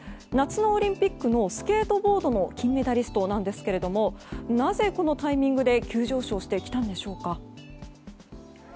夏のオリンピックのスケートボードの金メダリストなんですがなぜこのタイミングで急上昇してきたんでしょうか。